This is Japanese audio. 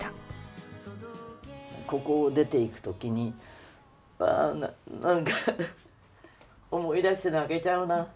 ここを出ていく時にわ何か思い出して泣けちゃうな。